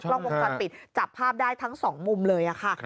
กล้องวงจรปิดจับภาพได้ทั้งสองมุมเลยค่ะ